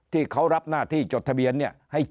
ที่เขารับหน้าที่จดทะเบียนเนี่ย